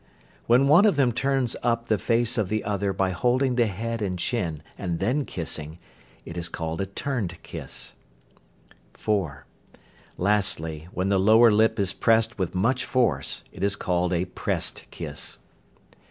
When one of them turns up the face of the other by holding the head and chin, and then kissing, it is called a "turned kiss." (4). Lastly, when the lower lip is pressed with much force, it is called a "pressed kiss."